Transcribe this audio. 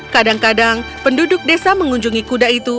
kadang kadang penduduk desa mengunjungi kuda itu